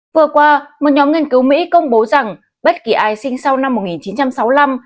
vừa qua một nhóm nghiên cứu mỹ công bố rằng bất kỳ ai sinh sau năm một nghìn chín trăm sáu mươi năm